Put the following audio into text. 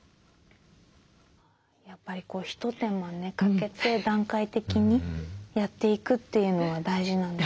やっぱり一手間かけて段階的にやっていくというのは大事なんですね。